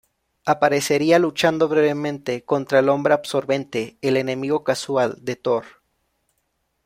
Aparecería luchando brevemente contra el Hombre Absorbente, el enemigo casual de Thor.